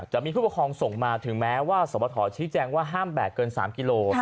จะมีผู้ปกครองส่งมาถึงแม้ว่าสวบทชี้แจงว่าห้ามแบกเกิน๓กิโล